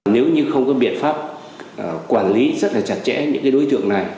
nếu như không có biện pháp quản lý rất là chặt chẽ những đối tượng này